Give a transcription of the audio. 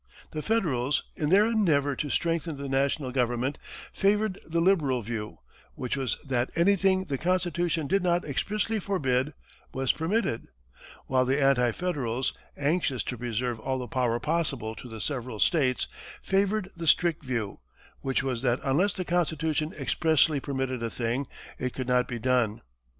The Federals, in their endeavor to strengthen the national government, favored the liberal view, which was that anything the Constitution did not expressly forbid was permitted; while the Anti Federals, anxious to preserve all the power possible to the several states, favored the strict view, which was that unless the Constitution expressly permitted a thing, it could not be done.